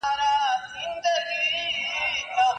سره شراب وه چي ویالې یې بهېدلې